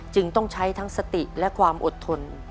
จึงต้องใช้ทั้งสติและความอดทน